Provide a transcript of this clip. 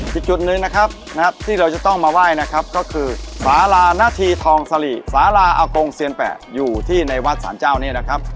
อีกจุดหนึ่งนะครับที่เราจะต้องมาไหว้นะครับก็คือสารานาธีทองสลีสาราอากงเซียนแปะอยู่ที่ในวัดสารเจ้านี้นะครับ